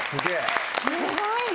すごいね！